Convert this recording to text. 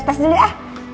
tes dulu ya